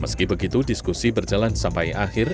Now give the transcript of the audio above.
meski begitu diskusi berjalan sampai akhir